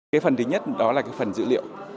cái phần thứ nhất đó là cái phần dữ liệu